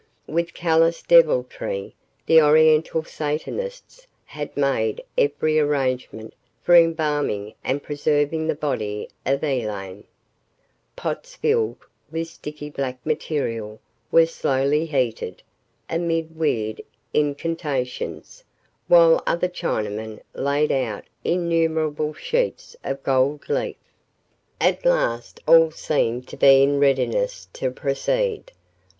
With callous deviltry, the oriental satanists had made every arrangement for embalming and preserving the body of Elaine. Pots filled with sticky black material were slowly heated, amid weird incantations, while other Chinamen laid out innumerable sheets of gold leaf. At last all seemed to be in readiness to proceed.